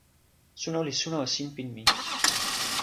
suno li suno e sinpin mi.